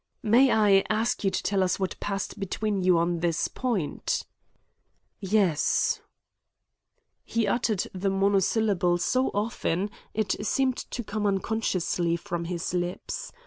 "May I ask you to tell us what passed between you on this point?" "Yes." He had uttered the monosyllable so often it seemed to come unconsciously from his lips.